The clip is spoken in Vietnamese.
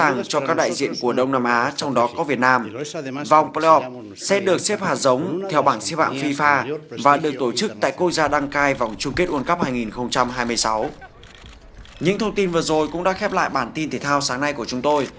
những thông tin vừa rồi cũng đã khép lại bản tin thể thao sáng nay của chúng tôi